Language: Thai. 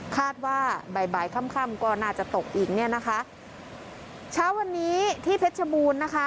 คาดว่าบ่ายบ่ายค่ำค่ำก็น่าจะตกอีกเนี่ยนะคะเช้าวันนี้ที่เพชรบูรณ์นะคะ